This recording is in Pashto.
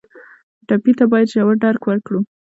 ټپي ته باید ژور درک وکړو.